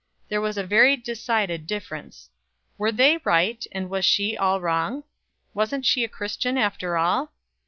There was a very decided difference. Were they right, and was she all wrong? wasn't she a Christian after all?